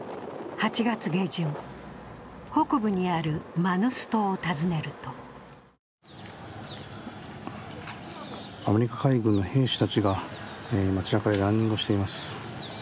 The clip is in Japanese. ８月下旬、北部にあるマヌス島を訪ねるとアメリカ海軍の兵士たちが街なかでランニングをしています。